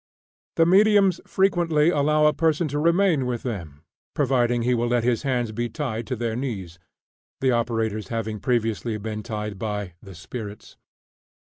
The "mediums" frequently allow a person to remain with them, providing he will let his hands be tied to their knees, the operators having previously been tied by "the spirits."